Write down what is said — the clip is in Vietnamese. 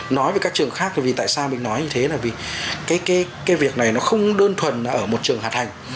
nói về các trường khác thì tại sao mình nói như thế là vì cái việc này nó không đơn thuần ở một trường hạt hành